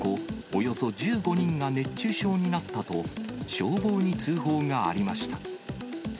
およそ１５人が熱中症になったと、消防に通報がありました。